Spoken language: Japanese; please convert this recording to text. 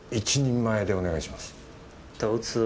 １人前でお願いします。